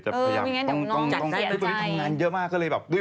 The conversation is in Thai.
เพราะว่าทำงานไง